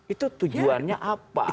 itu tujuannya apa